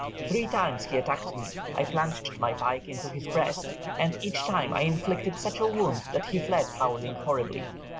Three times he attacked me, I plunged my pike into his breast, and each time I inflicted such a wound that he fled howling horribly.